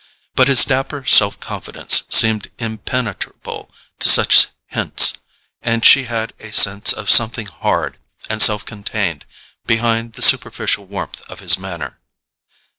But his dapper self confidence seemed impenetrable to such hints, and she had a sense of something hard and self contained behind the superficial warmth of his manner.